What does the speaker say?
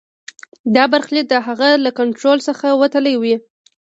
دا برخلیک د هغه له کنټرول څخه وتلی وي.